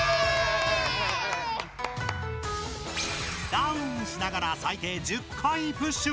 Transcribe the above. ダウンしながら最低１０回プッシュ。